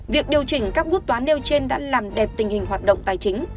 việc điều chỉnh các bút toán nêu trên đã làm đẹp tình hình hoạt động tài chính